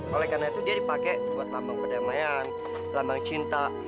oleh karena itu dia dipakai buat lambang perdamaian lambang cinta